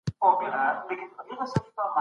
آیا تر دې هم ښه څه شته؟